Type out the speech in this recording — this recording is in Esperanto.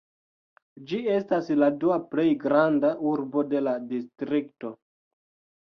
Ĝi estas la dua plej granda urbo de la distrikto.